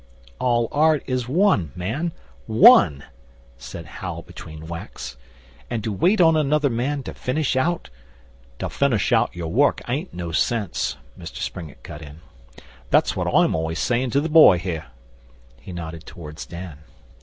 'All art is one, man one!' said Hal between whacks; 'and to wait on another man to finish out ' 'To finish out your work ain't no sense,' Mr Springett cut in. 'That's what I'm always sayin' to the boy here.' He nodded towards Dan.